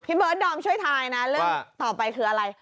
พี่เบิ้ลดอมช่วยถ่ายเนอะเรื่องต่อไปคืออะไร